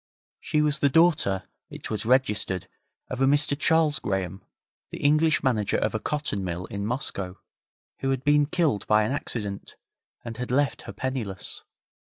She was the daughter, it was registered, of a Mr Charles Graham, the English manager of a cotton mill in Moscow, who had been killed by an accident, and had left her penniless.